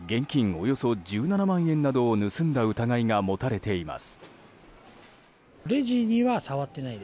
およそ１７万円などを盗んだ疑いが持たれています。